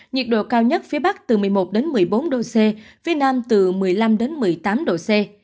nhiệt độ cao nhất phía bắc từ một mươi một đến một mươi bốn độ c phía nam từ một mươi năm một mươi tám độ c